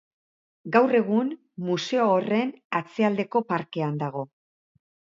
Gaur egun, museo horren atzealdeko parkean dago.